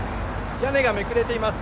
屋根がめくれています。